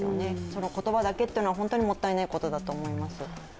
その言葉だけというのは、本当にもったいないことだと思います。